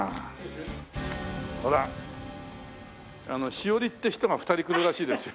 「しおり」って人が２人来るらしいですよ。